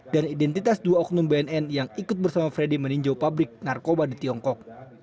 dan identitas dua oknum bnn yang ikut bersama freddy meninjau pabrik narkoba di tiongkok